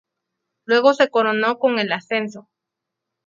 Luego se coronó con el ascenso.